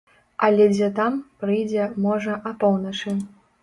Але дзе там, прыйдзе, можа, апоўначы.